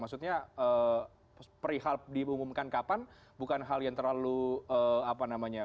maksudnya perihal diumumkan kapan bukan hal yang terlalu apa namanya